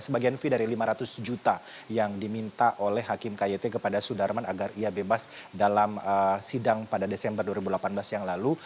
sebagian fee dari lima ratus juta yang diminta oleh hakim kyt kepada sudarman agar ia bebas dalam sidang pada desember dua ribu delapan belas yang lalu